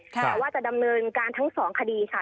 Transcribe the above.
แต่ว่าจะดำเนินการทั้งสองคดีค่ะ